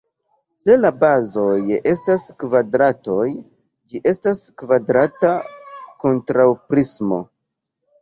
Se la bazoj estas kvadratoj ĝi estas kvadrata kontraŭprismo.